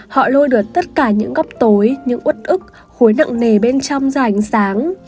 họ lôi được tất cả những góc tối những út ức khối nặng nề bên trong ra ảnh sáng